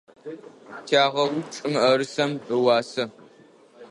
Тягъэупчӏ мыӏэрысэм ыуасэ.